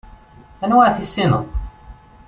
Anwa ara tissineḍ?